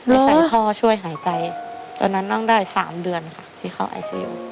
ไปใส่ท่อช่วยหายใจตอนนั้นนั่งได้๓เดือนค่ะที่เข้าไอซียู